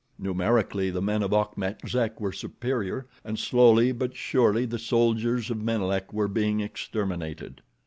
Numerically the men of Achmet Zek were superior, and slowly but surely the soldiers of Menelek were being exterminated.